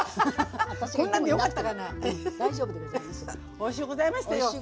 おいしゅうございました。